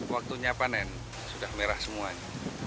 waktunya panen sudah merah semua ini